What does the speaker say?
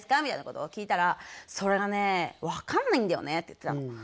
みたいなことを聞いたら「それがね分かんないんだよね」って言ってたの。